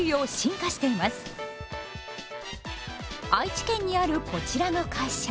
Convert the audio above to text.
愛知県にあるこちらの会社。